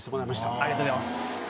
ありがとうございます。